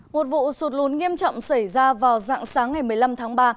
một vụ sụt lún nghiêm trọng xảy ra vào dạng sáng ngày một mươi năm tháng ba